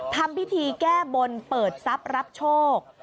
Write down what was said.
ทำพิธีแก้บนเปิดทรัพย์รับโชค